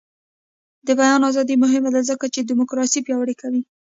د بیان ازادي مهمه ده ځکه چې دیموکراسي پیاوړې کوي.